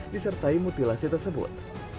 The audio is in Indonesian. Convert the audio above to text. disertai mutilasi tersebut